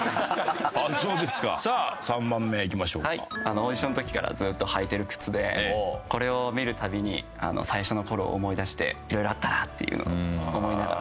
オーディションの時からずっと履いてる靴でこれを見るたびに最初の頃を思い出していろいろあったなっていうのを思いながら頑張れる靴ですね。